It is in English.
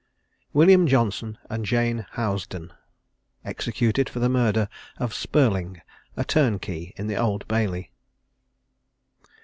WILLIAM JOHNSON AND JANE HOUSDEN. EXECUTED FOR THE MURDER OF SPURLING, A TURNKEY IN THE OLD BAILEY.